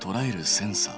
センサー。